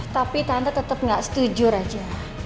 tapi tante tetap gak setuju raja